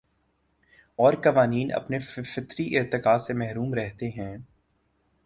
اور قوانین اپنے فطری ارتقا سے محروم رہتے ہیں